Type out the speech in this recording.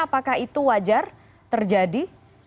apakah itu wajar terjadi